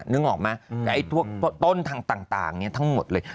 นึกออกมั้ยต้นต่างนี้ทั้งหมดเลย